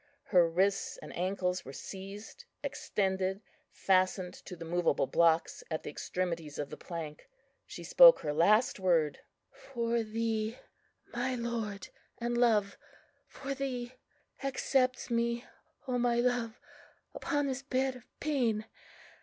Her wrists and ankles were seized, extended, fastened to the moveable blocks at the extremities of the plank. She spoke her last word, "For Thee, my Lord and Love, for Thee!... Accept me, O my Love, upon this bed of pain!